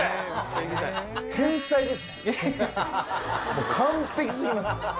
もう完璧過ぎます。